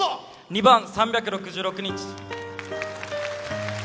２番「３６６日」。